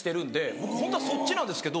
僕ホントはそっちなんですけど。